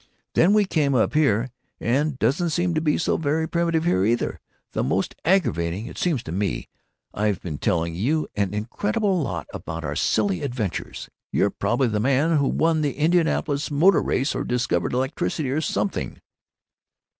Then we came up here, and it doesn't seem so very primitive here, either. It's most aggravating.... It seems to me I've been telling you an incredible lot about our silly adventures—you're probably the man who won the Indianapolis motor race or discovered electricity or something."